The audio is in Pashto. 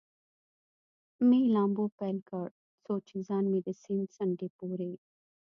مې لامبو پیل کړ، څو چې ځان مې د سیند څنډې پورې.